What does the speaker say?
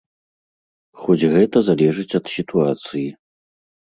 Хоць гэта залежыць ад сітуацыі.